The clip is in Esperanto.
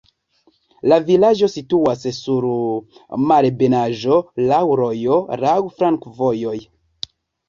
La vilaĝo situas sur malebenaĵo, laŭ rojo, laŭ flankovojoj.